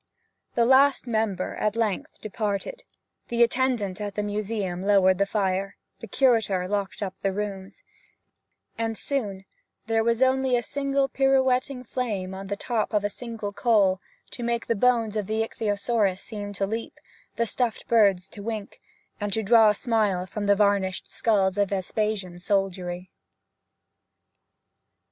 The last member at length departed, the attendant at the museum lowered the fire, the curator locked up the rooms, and soon there was only a single pirouetting flame on the top of a single coal to make the bones of the ichthyosaurus seem to leap, the stuffed birds to wink, and to draw a smile from the varnished skulls of Vespasian's soldiery.